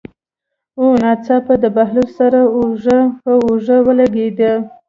او ناڅاپه د بهلول سره اوږه په اوږه ولګېده.